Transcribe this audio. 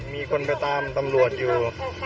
มีคนไปตามตำรวจอยู่